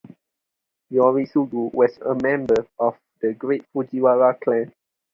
Yoritsugu was a member of the great Fujiwara clan.